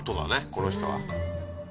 この人は。